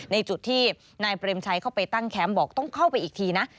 ในจุดที่นายเปรมชัยเข้าไปตั้งแคมป์บอกต้องเข้าไปอีกทีนะ